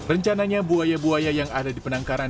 rencananya buaya buaya yang ada di penangkaran